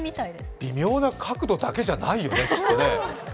微妙な角度だけじゃないよね、きっとね。